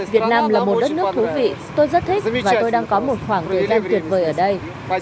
việt nam là một đất nước thú vị tôi rất thích khi tôi đang có một khoảng thời gian tuyệt vời ở đây